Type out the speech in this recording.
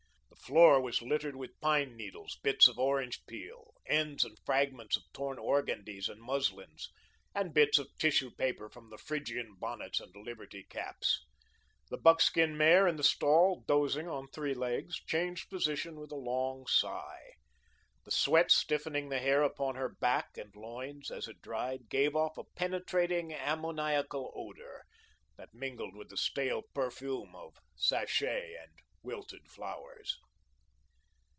The floor was littered with pine needles, bits of orange peel, ends and fragments of torn organdies and muslins and bits of tissue paper from the "Phrygian Bonnets" and "Liberty Caps." The buckskin mare in the stall, dozing on three legs, changed position with a long sigh. The sweat stiffening the hair upon her back and loins, as it dried, gave off a penetrating, ammoniacal odour that mingled with the stale perfume of sachet and wilted flowers.